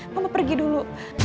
mama pergi dulu